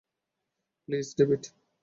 Please, David!